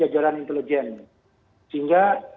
jajaran intelijen sehingga